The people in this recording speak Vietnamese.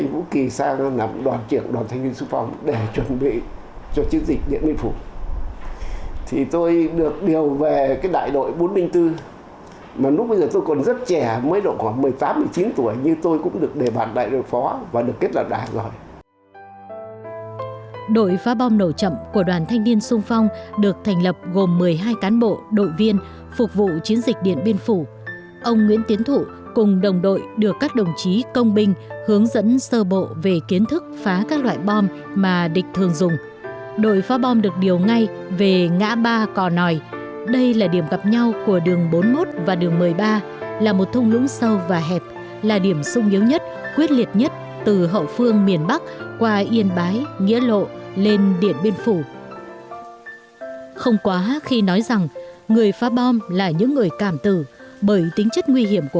với nhiệm vụ mở các tuyến đường chiến lược vào chiến dịch điện biên phủ tại đây nguyễn tiến thủ cùng đồng đội đã vượt qua mọi khó khăn nguy hiểm